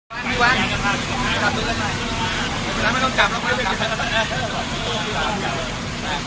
จับปืนกลับไป